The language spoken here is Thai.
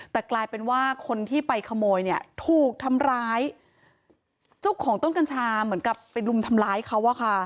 แต่กลายเป็นว่าคนที่ไปขโมยเนี่ยถูกทำร้ายเจ้าของต้นกัญชาเหมือนกับไปลุมทำร้ายเขาอะค่ะ